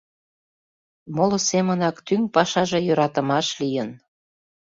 Моло семынак тӱҥ пашаже йӧратымаш лийын.